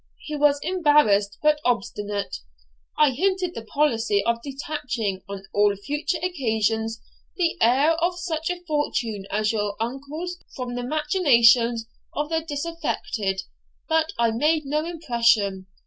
He was embarrassed, but obstinate. I hinted the policy of detaching, on all future occasions, the heir of such a fortune as your uncle's from the machinations of the disaffected. But I made no impression.